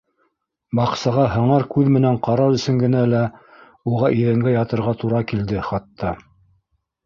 Баҡсаға һыңар күҙ менән ҡарар өсөн генә лә уға иҙәнгә ятырға тура килде хатта.